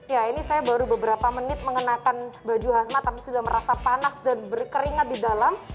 ya ini saya baru beberapa menit mengenakan baju hasmat tapi sudah merasa panas dan berkeringat di dalam